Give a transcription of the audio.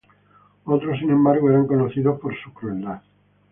Otros, sin embargo, eran conocidos por su crueldad.